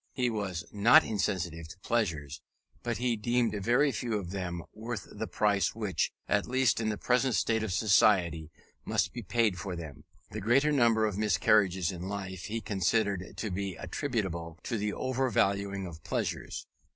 He was not insensible to pleasures; but he deemed very few of them worth the price which, at least in the present state of society, must be paid for them. The greater number of miscarriages in life he considered to be attributable to the overvaluing of pleasures.